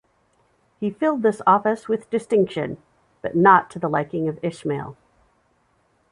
He filled this office with distinction, but not to the liking of Ismail.